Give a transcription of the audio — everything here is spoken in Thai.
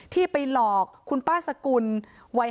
ที่ไปหลอกคุณป้าสกุลวัย